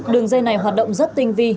đường dây này hoạt động rất tinh vi